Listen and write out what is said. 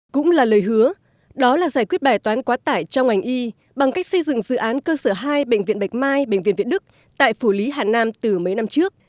cũng là lời hứa đó là giải quyết bài toán quá tải trong ảnh y bằng cách xây dựng dự án cơ sở hai bệnh viện bạch mai bệnh viện việt đức tại phủ lý hà nam từ mấy năm trước